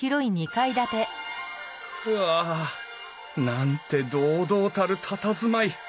うわなんて堂々たるたたずまい。